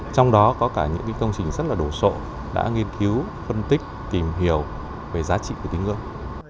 trong đó có cả những công trình rất là đồ sộ đã nghiên cứu phân tích tìm hiểu về giá trị của tín ngưỡng